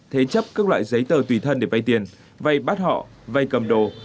thế chấp các loại giấy tờ tùy thân để vai tiền vai bắt họ vai cầm đồ